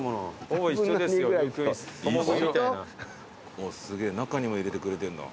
おっすげぇ中にも入れてくれてんだ。